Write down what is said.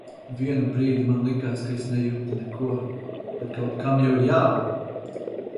Vienu brīdi man likās, ka es nejūtu neko... bet kaut kam jau ir jābūt!